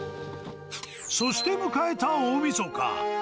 そして、迎えた大みそか。